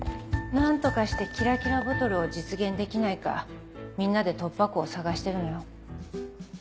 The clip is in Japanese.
何とかしてキラキラボトルを実現できないかみんなで突破口を探してるのよ。